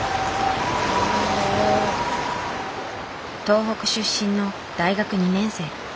東北出身の大学２年生。